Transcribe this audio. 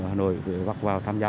ở hà nội vắt vào tham gia